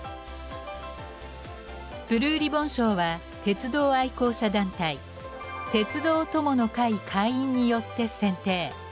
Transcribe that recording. ブルーリボン賞は鉄道愛好者団体「鉄道友の会」会員によって選定。